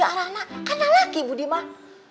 karena laki budi mah